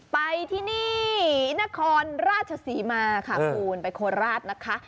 ไปที่นี่นครราชศรีมาค่ะคุณไปโคราชนะคะ